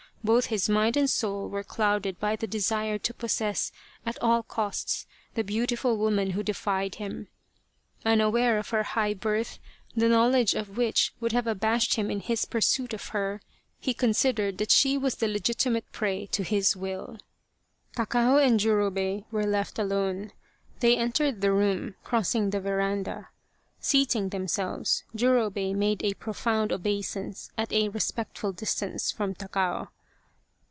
Both his mind and soul were clouded by the desire to possess at all costs the beautiful woman who defied him. Unaware of her high birth, the knowledge of which would have abashed him in his pursuit of her, he 45 The Quest of the Sword considered that she was the legitimate prey to his will. Takao and Jurobei were left alone. They entered the room, crossing the veranda. Seating themselves, Jurobei made a profound obeisance at a respectful distance from Takao.